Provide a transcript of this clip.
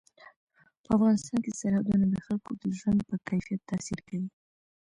په افغانستان کې سرحدونه د خلکو د ژوند په کیفیت تاثیر کوي.